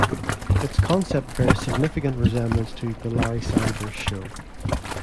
Its concept bears significant resemblance to "The Larry Sanders Show".